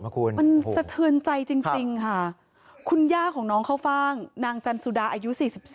มันสะเทือนใจจริงค่ะคุณย่าของน้องเข้าฟ่างนางจันสุดาอายุ๔๔